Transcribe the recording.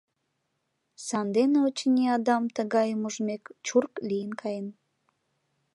Сандене, очыни, Адам, тыгайым ужмек, чурк лийын каен.